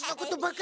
か